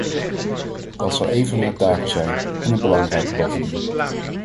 Dat zal een van haar taken zijn, en een belangrijke bovendien.